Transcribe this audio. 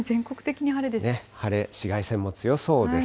晴れ、紫外線も強そうです。